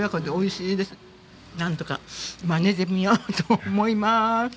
なんとかまねてみようと思います。